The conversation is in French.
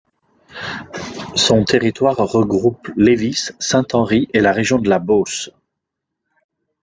Son territoire regroupe Lévis, Saint-Henri et la région de la Beauce.